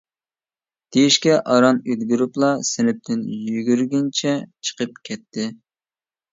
دېيىشكە ئاران ئۈلگۈرۈپلا سىنىپتىن يۈگۈرگىنىچە چىقىپ كەتتى.